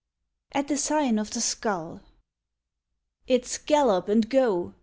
AT THE SIGN OF THE SKULL. _It's "Gallop and go!"